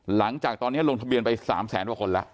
หลังจากตอนนี้ลงทะเบียนไป๓แสนกว่าคนแล้ว